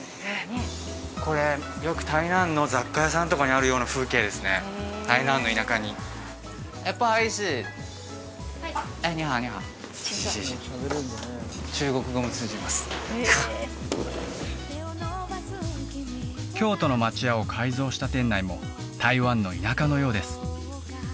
これよく台南の雑貨屋さんとかにあるような風景ですね台南の田舎にシェイシェイ中国語も通じます京都の町家を改造した店内も台湾の田舎のようです